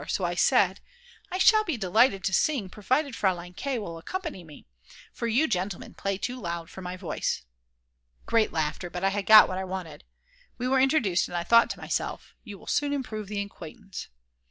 So I said: "I shall be delighted to sing, provided Fraulein K. will accompany me, For you gentlemen play too loud for my voice." Great laughter, but I had got what I wanted. We were introduced, and I thought to myself: You will soon improve the acquaintance.